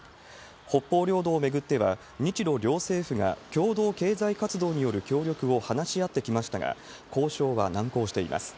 北方領土を巡っては、日ロ両政府が共同経済活動による協力を話し合ってきましたが、交渉は難航しています。